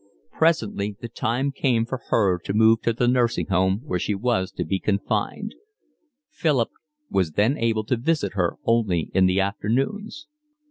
Presently the time came for her to move to the nursing home where she was to be confined. Philip was then able to visit her only in the afternoons.